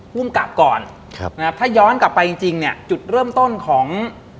ภูมิกับก่อนครับนะครับถ้าย้อนกลับไปจริงจริงเนี่ยจุดเริ่มต้นของ